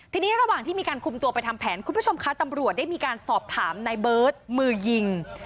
ทีนี้ระหว่างที่มีการคุมตัวไปทำแผนคุณผู้ชมคะตำรวจได้มีการสอบถามในเบิร์ตมือยิง